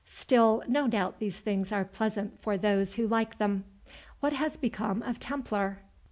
Still, no doubt these things are pleasant for those who like them. What has become of Templar?"